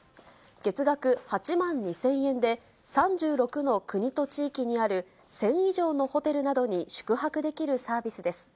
月額８万２０００円で３６の国と地域にある１０００以上のホテルなどに宿泊できるサービスです。